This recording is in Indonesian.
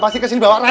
memanjat istri minta